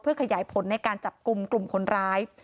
เพื่อขยายผลในการจับกลุ่มคนร้าย